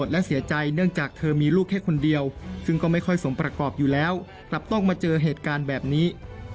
และเสียใจเนื่องจากเธอมีลูกแค่คนเดียวซึ่งก็ไม่ค่อยสมประกอบอยู่แล้วกลับต้องมาเจอเหตุการณ์แบบนี้